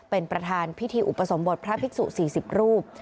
เป็นประธานพิธีอุปสมบทพระภิกษุ๔๐รูป